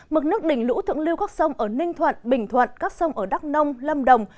mực nước đỉnh lũ thượng lưu các sông ở ninh thuận bình thuận các sông ở đắk nông lâm đồng